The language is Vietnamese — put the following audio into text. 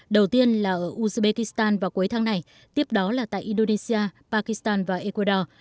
đầu tiên là ở uzbekistan vào cuối tháng này tiếp đó là tại indonesia pakistan và ecuador